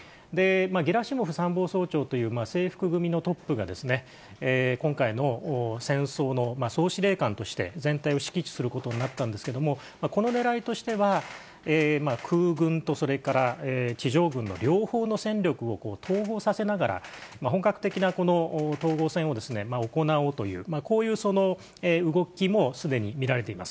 ゲラシモフ参謀総長という制服組のトップが、今回の戦争の総司令官として全体を指揮することになったんですけれども、このねらいとしては、空軍とそれから地上軍の両方の戦力を統合させながら、本格的な統合戦を行おうという、こういう動きもすでに見られています。